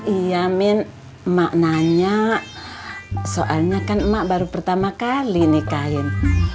iya min maknanya soalnya kan emak baru pertama kali nikahin